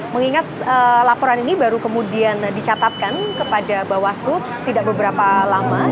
mengingat laporan ini baru kemudian dicatatkan kepada bawaslu tidak beberapa lama